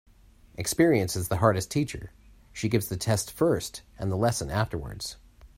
Experience is the hardest teacher. She gives the test first and the lesson afterwards.